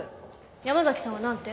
山崎さんは何て？